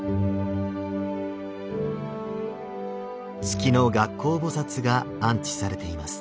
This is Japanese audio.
月の月光菩が安置されています。